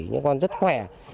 những con rất khỏe